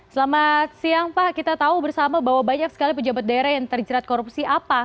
selamat siang pak kita tahu bersama bahwa banyak sekali pejabat daerah yang terjerat korupsi apa